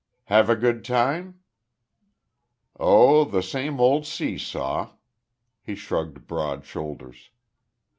"Have a good time?" "Oh, the same old sea saw." He shrugged broad shoulders.